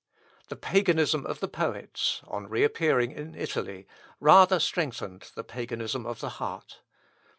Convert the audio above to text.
The Paganism of the poets, on reappearing in Italy, rather strengthened the Paganism of the heart.